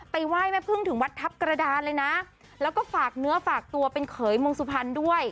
ไหว้แม่พึ่งถึงวัดทัพกระดานเลยนะแล้วก็ฝากเนื้อฝากตัวเป็นเขยมงสุพรรณด้วย